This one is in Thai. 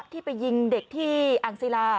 ที่ไปยิงเด็กที่อังซีรา